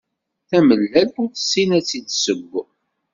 Tamellalt ur tessin ad tt-id-tesseww!